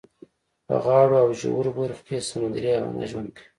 په غاړو او ژورو برخو کې یې سمندري حیوانات ژوند کوي.